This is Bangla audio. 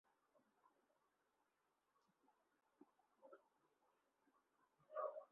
শুরুতে ক্লাবটির নাম ছিল ডায়াল স্কয়ার, যা মূলত রয়্যাল আর্সেনাল কমপ্লেক্সের প্রধান স্থানের নামানুসারে রাখা হয়েছিল।